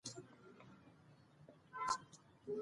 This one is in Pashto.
سرحدونه د افغانستان د اجتماعي جوړښت برخه ده.